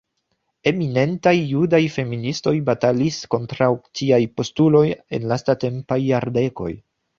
Eminentaj Judaj feministoj batalis kontraŭ tiaj postuloj en lastatempaj jardekoj.